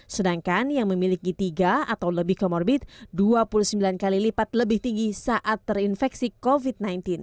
sedangkan yang memiliki tiga atau lebih comorbid dua puluh sembilan kali lipat lebih tinggi saat terinfeksi covid sembilan belas